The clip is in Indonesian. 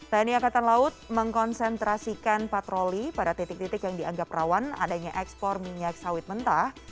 tni angkatan laut mengkonsentrasikan patroli pada titik titik yang dianggap rawan adanya ekspor minyak sawit mentah